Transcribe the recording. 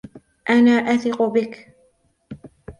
أنا أثق بك.